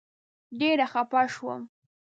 ډېر خپه شوم.